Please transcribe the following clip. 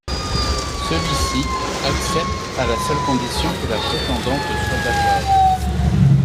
Celui-ci accepte à la seule condition que la prétendante soit d’accord.